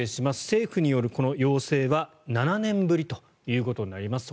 政府によるこの要請は７年ぶりということになります。